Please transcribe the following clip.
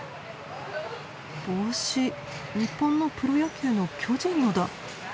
帽子日本のプロ野球の巨人のだ。